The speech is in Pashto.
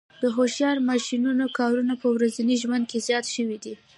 د هوښیار ماشینونو کارونه په ورځني ژوند کې زیات شوي دي.